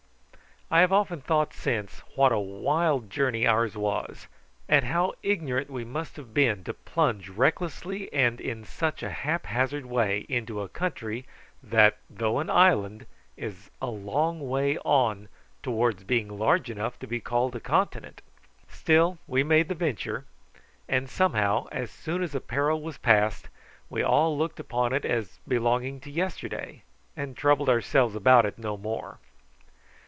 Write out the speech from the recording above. I have often thought since what a wild journey ours was, and how ignorant we must have been to plunge recklessly and in such a haphazard way into a country that, though an island, is a long way on towards being large enough to be called a continent. Still we made the venture, and somehow as soon as a peril was passed we all looked upon it as belonging to yesterday, and troubled ourselves about it no more.